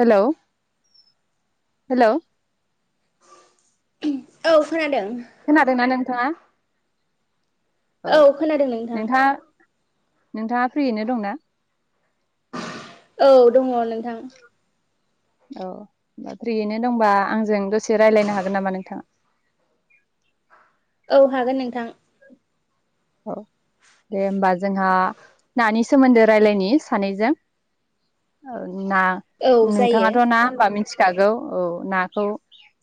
Hello hello औ खोनादों खोनादोंना नोंथाङा? औ खोनादों नोंथां। नोंथाङा नोंथाङा फ्रियैनो दंना? औ दङ नोंथां। औ फ्रियैनो दंबा आंजों दसे रायलायनो हागोन नामा नोंथाङा? औ हागोन नोंथां। दे होमबा जोंहा नानि सोमोन्दो रायज्लायनि सानैजों ओ ना औ जायो नोंथाङाथ' ना होमबा मिथि खागौ औ नाखौ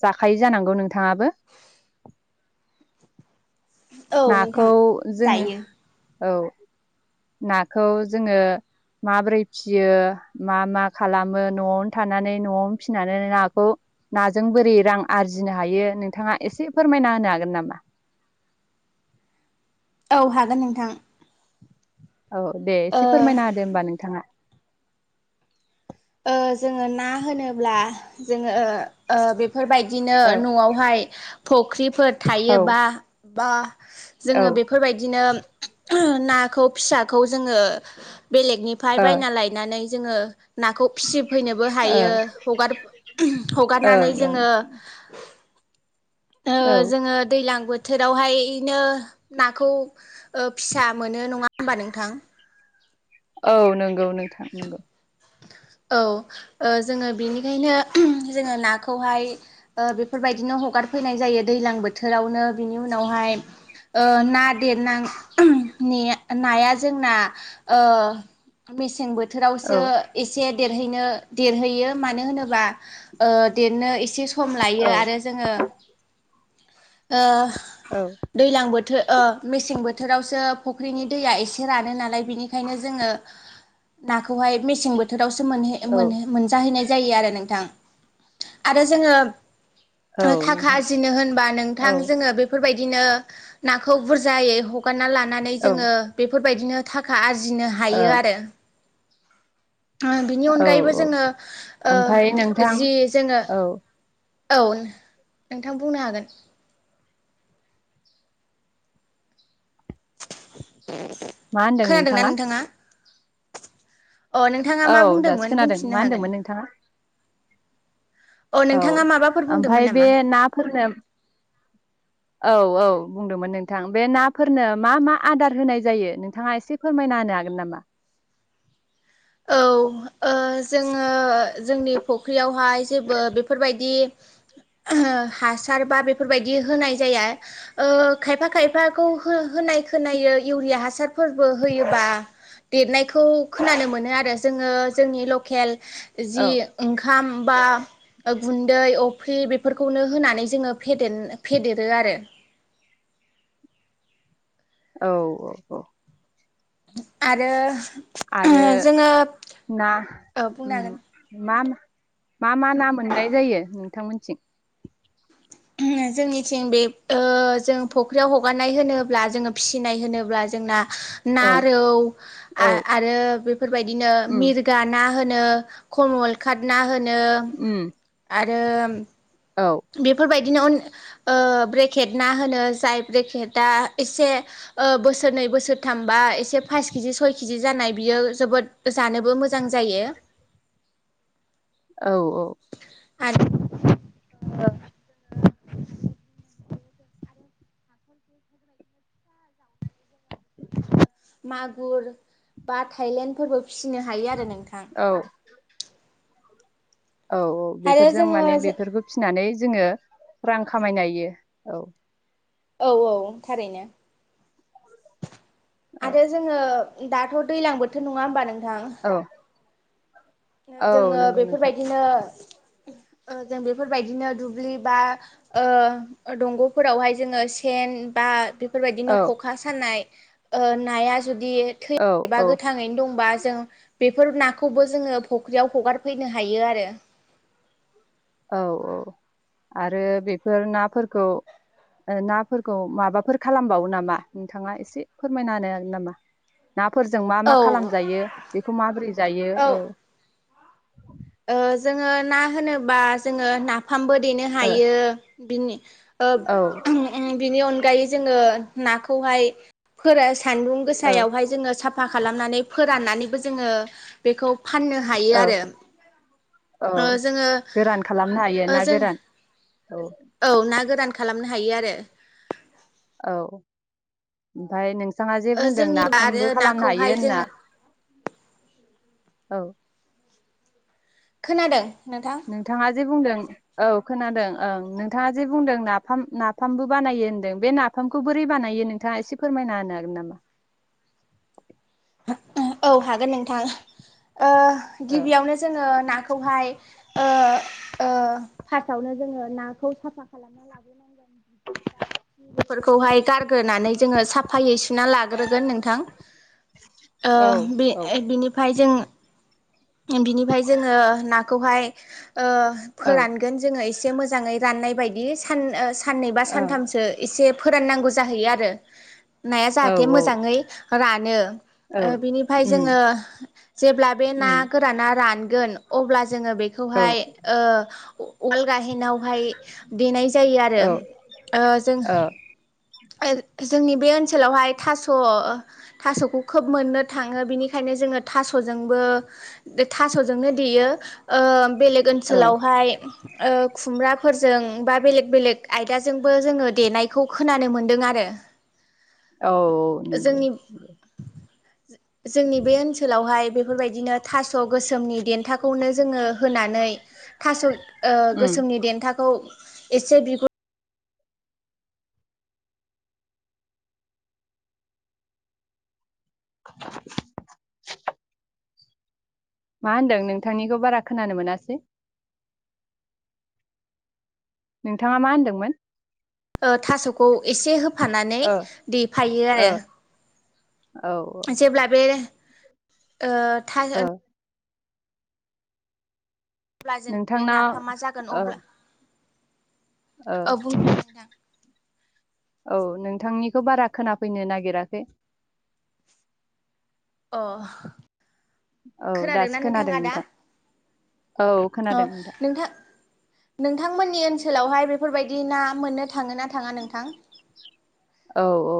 जाखायो जानांगौ नोंथाङाबो औ नोंथां नाखौ जोङ जायो औ नाखौ जोङो माबोरै फियो मा मा खालामो न'आवनो थानानै न'आवनो फिसिनानै नाखौ नाजों बोरै रां आरजिनो हायो नोंथाङा एसे फोरमायना होनो हागोन नामा औ हागोन नोंथां औ दे ओ एसे फोरमायना होदो होनोमबा नोंथाङा जोङो ना होनोब्ला जोङो बेफोरबायदिनो औ न'आवहाय फख्रिफोर औ थायोबा बा औ ओ जोङो बेफोरबायदिनो नाखौ फिसाखौ जोङो बेलेगनिफ्राय ओ बायना लायनानै जोङो नाखौ फिसिफैनोबो हायो हगार ओं हगारनानै ओं जोङो ओ औ जोङो दैज्लां बो बोथोरावहायनो नाखौ फिसा मोनो नङा होमबा नोंथां औ नंगौ नोंथां नंगौ औ ओ जोङो बेनिखायनो जोङो नाखौहाय ओ बेफोरबायदिनो हगारफैनाय जायो दैलां बोथोरावनो बिनि उनावहाय आं ना देरनां ने नाया जोंना ओ मेसें बोथोर औ बोथोरावसो देरहैनो देरहैयो मानो होनोबा देरनो एसे स सम लायो औ आरो जोङो ओ औ दैज्लां बोथो ओ मेसें बोथोरावसो फुख्रिनि दैया एसे रानो नालाय बेनिखायनो जोङो नाखौहाय मेसें बोथ फोरावबो मोनहे औ मोनहे मोनजाहैनाय जायो आरो नोंथां आरो जोङो औ थाखा नोंथां आरजिनो होनबा औ नोंथां जोङो बेफोरबायद नो नाखौ बुरजायै हगारना लाना नानै औ जोङो बेफोरबायदिनो थाखा आर जिनो औ हायो आरो बिनि औ अनगायैबो जोङो ओमफ्राय नोंथां जि जोङो औ औ नोंथां बुंनो हागोन [inaudible] मा [inaudible] होनदों खोनादोंना नोंथाङा? अ नोंथाङा औ मा दासो बुंदोंमोन खोनादों बुंफिननो मा हागोन होनदोंमोन नोंथाङा अ औ नोंथाङा माबाफोर ओमफ्राय बुंदोंमोन बे नामा? नाफोरनो औ औ बुंदोंमोन नोंथां बे नाफोरनो मा मा आदार होनाय जायो नोंथाङा एसे फोरमायना होनो हागोन नामा? औ औ जोङो जोंनि फुख्रियावहाय जेबो बेफोरबायदि हासार बा बेफोरबायदि होनाय जाया खायफा खायफाखौ होनाय खोनायो इउरिया हासारफोरबो होयोबा देरनायखौ खोनानो मोनो आरो जोङो जोंनि लकेल जि औ ओंखाम बा गुन्दै अफ्रि बेफोरखौनो होनानै जोङो फेदेन फेदेरो आरो औ औ औ आरो आरो जोङो ना बुंनो हागोन मा मा मा ना मोननाय जायो नोंथांमोनथिं जोंनिथिं बे औ जों फुख्रियाव हगारनाय होनोब्ला जोङो फिसिनाय होनोब्ला जोंना ना ओं रौ औ आरो बेफोरबायदिनो उम मिरगा ना होनो कमल खाट ना होनो नो उम आरो [unintelligible] औ बेफोरबायदि बिदिनो अन ओ ब्रेकेट ना होनो जाय ब्रेकेटा एसे ओ बोसोरनै बोसोरथामबा एसे पास केजि सय केजि जानाय बियो जोबोद जानोबो मोजां मो मोजां जायो औ औ आरो मागुर बा थाइलेण फोरबो फिसिनो हायो आरो नोंथां औ औ औ आरो बेफोरजों माने जोङो बेफोरखौ फिनानै जोङो रां खामायनाय हायो औ औ औ थारैनो औ आरो जोङो दाथ' दैलां बोथोर नङा होमबा नों थां औ औ जोङो नंगौ नोंथां बेफोरबायदिनो ओ जों बेफोरबायदिनो दुब्लि बा ओ दंग'फोरावहाय जोङो सेन बा औ बेफोरबायदिनो ख'खा सानाय ओ नाया जुदि औ थैबा औ गोथाङैनो दंबा जों बेफोर नाखौबो जोङो फुख्रियाव हगारफैनो हायो आरो औ औ आरो बेफोर नाफोरखौ नाफोरखौ माबाफोर खालामबावो नामा नोंथाङा एसे फोरमायना होनो हागोन नामा नाफोरजों मा मा औ खालामजायो बेखौ माबोरै जायो औ [inaudible] ओ जोङो ना होनोबा जोङो ना फामबो देनो ओ हायो बिनि ओ औ उ उ बिनि अनगायै जोङो नाखौहाय फोरा सानदुं औ गोसायावहाय जोङो साफ साफा खालामनानै फोराननानैबो जोङो बेखौ फाननो हायो औ आरो औ ओ जोङो गोरान खालामनो हायो ओ ना जों गोरान औ औ ना गोरान खालामनो हायो आरो औ ओमफ्राय नों बिथाङा जे ओ बुंदों जोंनिबा आरो नाफामबो खालामनो हायो नाखौहाय होनना जोङो औ खोनादों नोंथां नोंथाङा जे बुंदों औ खोनादों ओं नोंथाङा जे बुंदों नाफाम नाफामबो बानायो होनदों बे नाफामखौ बोरै बानायो नोंथाङा एसे फोरमायना होनो होगोन नामा औ हागोन नोंथां औ गिबियावनो जोङो नाखौहाय ओ ओ फार्स्टआवनो जोङो नाखौ साफा खालामना लाग्रोनांगोन गिदिर बा खि बेफोरखौहाय गारग्रोनानै जोङो साफायै सुना लाग्रोगोन नोंथां ओ औ बे औ बिनिफ्राय जों बिनिफ्राय जोङो नाखौहाय ओ औ फोरानगोन जोङो एसे इसे मोजांयै राननाय बादि सान ओ सान साननै बा औ सानथामसो एसे फोराननांगौ जाहैयो आरो नाया औ जाहाथे औ मोजाङै रानो औ ओ बिनिफ्राय उम जोङो जेब्ला बे ना उम गोराना रान गोन अब्ला जोङो औ बेखौहाय ओ उवाल गाहेनआव बेहाय देनाय जायो आरो औ ओ जों औ ओ जोंनि बे ओनसोलावहाय थास' थास'खौ खोब मोननो थाङो बिनिखायनो जोङो थास'जोंबो थास'जोंनो देयो ओ बेलेग औ ओनसोलावहाय ओ खुमब्रा फोरजों बा बेलेग बेलेग आयदाजोंबो जोङो देनायखौखो खोनानो मोन्दों आरो औ औ नंगौ। जोंनि [inaudible] जोंनि बे ओनसोलावहाय बेफोरबायदिनो थास' गोसोमनि देन्थाखौनो जोङो होनानै थास' ओ उम गोसोमनि देनथा खौ एसे बिगुर [inaudible] मा होन्दों नोंथांनिखौ बारा खोनानो मोनासै। नोंथाङा मा होनदोंमोन? ओ थास'खौ एसे हो फानानै ओ देफायो ओ आरो औ औ जेब्ला बे ओ। था ओ अब्ला जों बे नोंथांना नाफामा जागोन ओ अब्ला ओ औ बुंदों नोंथां औ नोंथांनिखौ बारा खोनाफैनो नागिराखै। अ। औ दासो खोनादोंना खोनादों नोंथाङा दा नोंथां। औ खोनादों नोंथां। नोंथांमोननि ओनसोलावहाय बेफोरबायदि ना मोननो थाङो ना थाङा नोंथां? औ औ ओ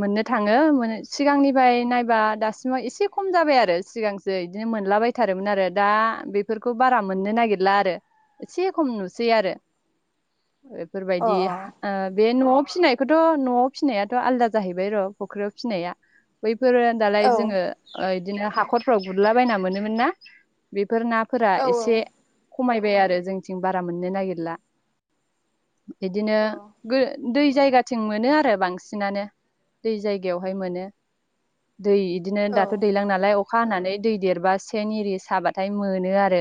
मोननो थाङो सिगांनिफ्राय नायबा दासिमाव एसे खम जाबाय आरो सिगांसो एसे मोनलाबायथारोमोन आरो दा बेफोरखौ बारा मोननो नागिरला आरो एसे खम नुसै आरो। अ बेफोरबायदि हा ओ बे न'आव फिसिनायखौथ' न'आव फिसिनायाथ' आलदा जाहैबाय र' फुख्रियाव फिसिनाया बै बेफोरो दालाय अ औ जोङो ओ बिदिनो हाखरफ्राव गुरलाबायना मोनोमोन ना बे बेफोर नाफोरा औ एसे खमायबाय आरो जोंथिं बारा मोननो नागिरला। बिदिनो औ दै जायगाथिं मोनो आरो बांसिनानो दै जायगायावहाय मोनो। दै इदिनो दाथ' दैलां नालाय अखा हानानै दै देरबा सेन एरि साबाथाय मोनो आरो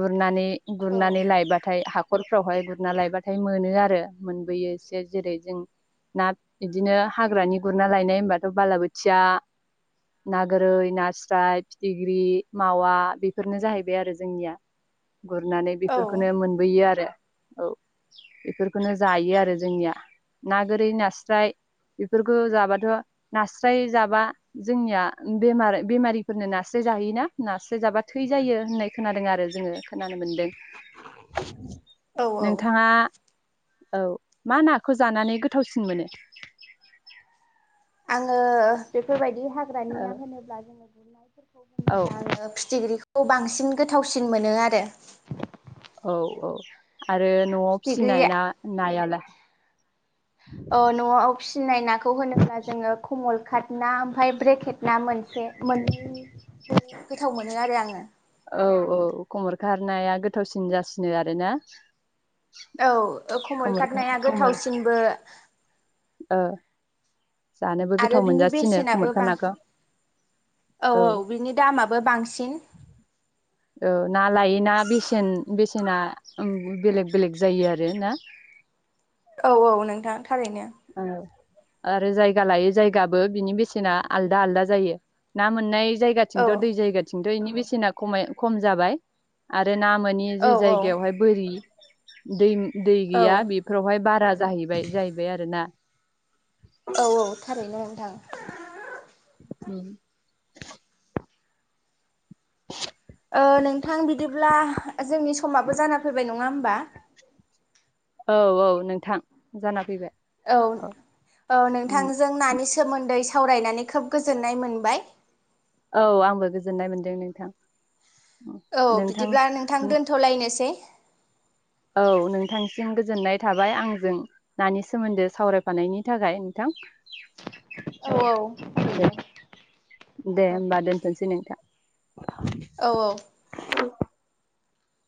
गुरनानै औ गुरनानै लायबाथाय हाख हाखरफ्रावहाय गुरना लायबाथाय। मोनो आरो मोनबोयो एसे जेरै जों ना बिदिनो हाग्रानि गुरना लायनाय होनबाथ' बालाबोथिया ना गोरै नास्राय फिथिख्रि मावा बेफोरनो जाहैबाय आरो जोंनिया। गुरनानै औ औ बेफोरखौनो मोनबोयो आरो औ बेफोरखौनो जायो आरो जोंनिया ना गोरै नास्राय बेफोरखौ जाबाथ' नास्राय जाबा जोंनिया बेमार बेमारिफोरनो नास्राय जाहैयोना नास्राय जाबा थै जायो होननाय खोनादों आरो जोङो खोनानो मोनदों। औ-औ आ मा नाखौ जानानै गोथावसिन मोनो। आङो बेफोरबायदि हाग्रानि ना होनोब्ला [unintelligible] औ होनोब्लाङो फिथिग्रिखौ खौ बांसिन गोथावसिन मोनो आरो औ औ आरो न'आव फिथिख्रि फिसिनाय ना नायालाय अ न'आव फिसिनाय नाखौ खौ होनोब्ला जोङो कमल खातना ओमफ्राय ब्रेकेट ना मोनसे मोननै गोथाव मोनो आरो आङो। औ औ खमर खार नाया गोथावसिन जासिनो आरोना? औ खमल खमरखा खारनाया खमर गोथावसिनबो। ओ जानोबो आरो गोथाव बिनि मोनजासिनो बेसेनाबो खमरखा बां नाखौ औ औ बिनि दामआबो बांसिन औ ना लायै ना बेसेन बेसेना बेलेग बेलेग जायो आरो ना? औ औ नोंथां। थारैनो ओ आरो जायगा लायो जायगाबो बिनि बेसेना आलदा आलदा जायो ना मोननाय औ जायगांथिथ दै जायागाथिं दैनि बेसेना खमाय खम जाबाय आर रो ना मोनि औ जि औ जायगायावहाय बोरि दैनि दै औ गैया बेफोरावहाय बारा जाहैबाय जाय ना औ औ थारैनो नोंथां ओम [inaudible] [inaudible] ओ नोंथां बिदिब्ला जोंनि समाबो जाना फैबाय नङा होमबा? औ औ नोंथां जाना फैबाय औ औ नोंथांजों नानि सोमोन्दै सावरायनानै खोब गोजोननाय मोनबाय औ आंबो गोजोननाय मोनदों नोंथां औ नोंथां बिदिब्ला नोंथां दोनथ लायनोसै औ नोंथांसिम गोजोननाय थाबाय आंजों नानि सोमोन्दो सावरायफानायनि थाखाय नोंथां औ दे दे होमबा दोनथसै नोंथां [inaudible] औ औ [unintelligible]